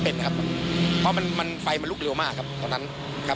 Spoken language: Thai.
เพราะไฟมันลุกเร็วมาก